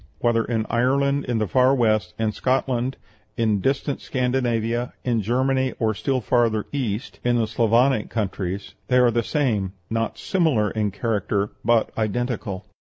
whether in Ireland, in the far west, in Scotland, in distant Scandinavia, in Germany, or still farther east, in the Sclavonic countries, they are the same not similar in character, but identical."